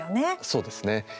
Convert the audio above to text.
そうですね。